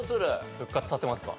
復活させますか。